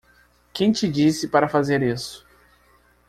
Quem te disse para fazer isso?